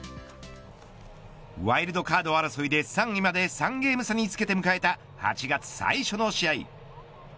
ワイルドカード争いで、３位まで３ゲーム差につけて迎えた８月最初の試合。